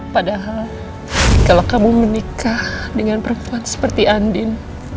padahal kalau kamu menikah dengan perempuan seperti andin